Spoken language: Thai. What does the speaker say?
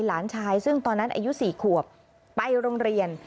หลานชายซึ่งตอนนั้นอายุ๔ขวบไปโรงเรียน